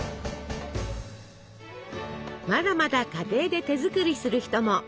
まだまだ家庭で手作りする人も。